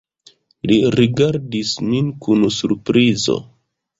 Li rigardis min kun surprizo.